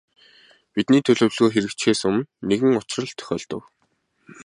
Бидний төлөвлөгөө хэрэгжихээс өмнө нэгэн учрал тохиолдов.